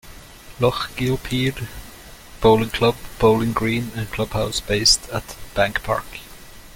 Lochgilphead Bowling Club bowling green and clubhouse based at Bank Park.